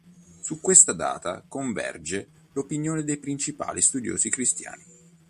Su questa data converge l'opinione dei principali studiosi cristiani.